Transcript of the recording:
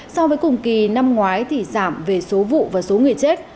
so với cùng kỳ năm ngoái thì giảm về số vụ và số người chết